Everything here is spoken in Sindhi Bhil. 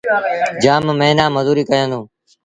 جآم موهيݩآن مزوريٚ ڪيآندو۔